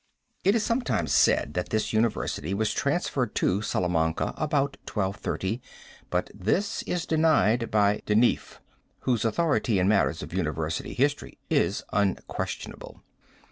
It is sometimes said that this university was transferred to Salamanca about 1230, but this is denied by Denifle, whose authority in matters of university history is unquestionable.